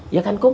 iya kan kum